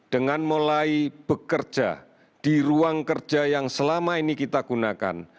dengan mulai bekerja di ruang kerja yang selama ini kita gunakan